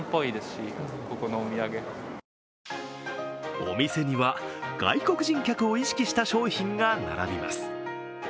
お店には、外国人客を意識した商品が並びます。